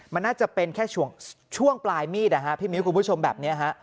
มันน่าจะเป็นแค่ช่วงปลายมีดพี่มิ้วคุณผู้ชมแบบนี้ฮะ